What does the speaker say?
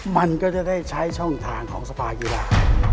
มันก็จะได้ใช้ช่องทางของสภากีฬา